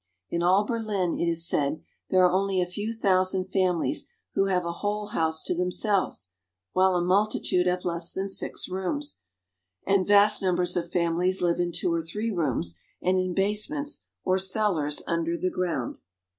In all Berlin, it is said, there are only a few thousand families who have a whole house to themselves, while a multitude have less than six rooms, and vast numbers of families live in two or three rooms, and in basements or cellars under the ground.